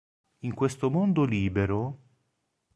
In questo mondo libero...